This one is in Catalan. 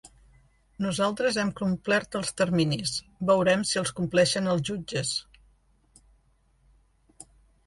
Nosaltres hem complert els terminis, veurem si els compleixen els jutges.